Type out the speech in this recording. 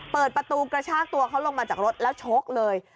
เปิดประตูกระชากตัวเขาลงมาจากรถแล้วชกเลย